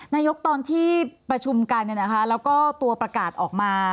นายกตอนที่ประชุมกันเนี่ยนะคะแล้วก็ตัวประกาศออกมา